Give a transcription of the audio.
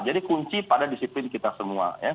jadi kunci pada disiplin kita semua